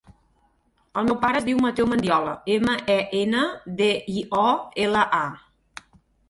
El meu pare es diu Mateu Mendiola: ema, e, ena, de, i, o, ela, a.